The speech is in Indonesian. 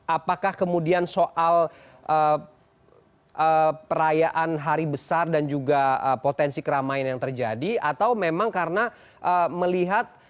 apakah kemudian soal perayaan hari besar dan juga potensi keramaian yang terjadi atau memang karena melihat